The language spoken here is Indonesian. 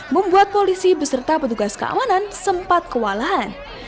membuat polisi beserta petugas keamanan sempat kewalahan